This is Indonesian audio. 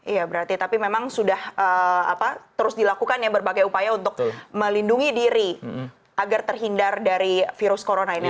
iya berarti tapi memang sudah terus dilakukan ya berbagai upaya untuk melindungi diri agar terhindar dari virus corona ini